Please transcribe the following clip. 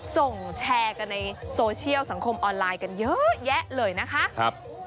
ส่งแชร์กันในโซเชียลสังคมออนไลน์กันเยอะแยะเลยนะคะ